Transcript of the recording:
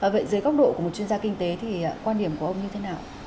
vậy dưới góc độ của một chuyên gia kinh tế thì quan điểm của ông như thế nào